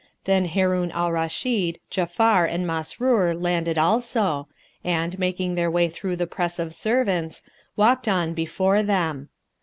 Then Harun al Rashid, Ja'afar and Masrur landed also and, making their way through the press of servants, walked on before them.